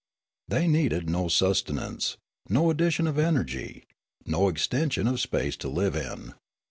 They needed no sustenance, no addition of energy, no extension of space to live in.